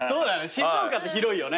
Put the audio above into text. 静岡って広いよね。